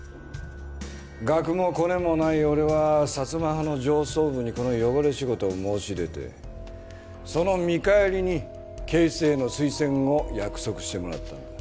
学もコネもない俺は薩摩派の上層部にこの汚れ仕事を申し出てその見返りに警視正への推薦を約束してもらったんだ。